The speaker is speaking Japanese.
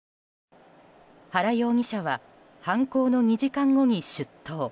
原容疑者は犯行の２時間後に出頭。